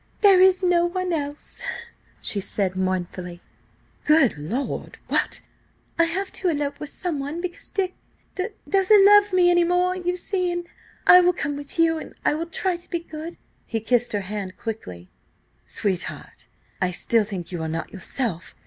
"There is no one else," she said mournfully. "Good lord! What—" "I have to elope with someone–because–Dick–d doesn't love me any more–you see. I will come with you, and I will try to be good." He kissed her hand quickly "Sweetheart! ... I still think you are not yourself.